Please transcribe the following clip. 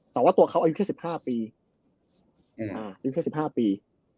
แต่ว่าตัวเขาอายุเท่า๑๕ปี